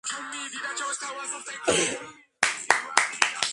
იმდენად, რომ გასუფთავების გარეშე გეგმის ზუსტად დადგენა არ ხერხდება.